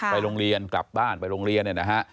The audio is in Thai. ไปโรงเรียนกลับบ้านไปโรงเรียนเนี่ยนะฮะ